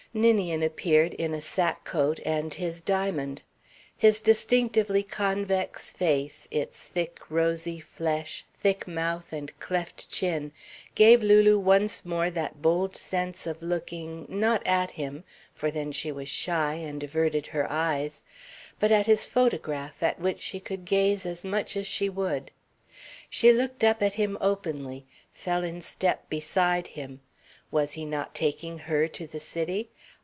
Ninian appeared, in a sack coat and his diamond. His distinctly convex face, its thick, rosy flesh, thick mouth and cleft chin gave Lulu once more that bold sense of looking not at him, for then she was shy and averted her eyes but at his photograph at which she could gaze as much as she would. She looked up at him openly, fell in step beside him. Was he not taking her to the city?